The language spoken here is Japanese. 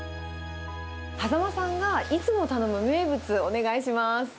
羽佐間さんがいつも頼む名物、お願いします。